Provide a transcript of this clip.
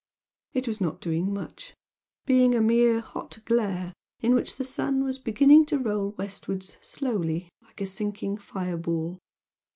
It was not doing much, being a mere hot glare in which the sun was beginning to roll westwards slowly like a sinking fire ball.